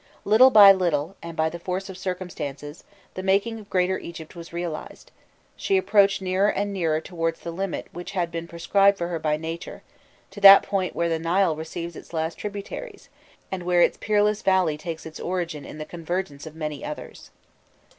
Little by little, and by the force of circumstances, the making of Greater Egypt was realized; she approached nearer and nearer towards the limit which had been prescribed for her by nature, to that point where the Nile receives its last tributaries, and where its peerless valley takes its origin in the convergence of many others.